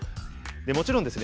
もちろんですね